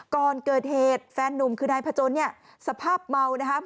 ก่อนเกิดเหตุแฟนนุ่มคือนายพจนเนี่ยสภาพเมานะครับ